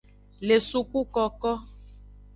Le sukukoko.